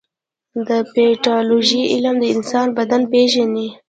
د پیتالوژي علم د انسان بدن پېژني.